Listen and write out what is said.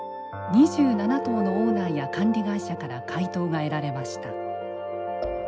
２７棟のオーナーや管理会社から回答が得られました。